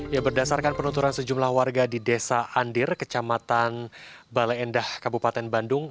ya berdasarkan penuturan sejumlah warga di desa andir kecamatan bale endah kabupaten bandung